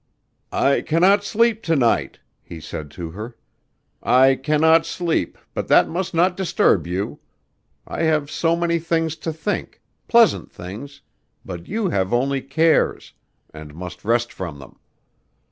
"I cannot sleep to night," he said to her; "I cannot sleep; but that must not disturb you. I have so many things to think, pleasant things; but you have only cares, and must rest from them.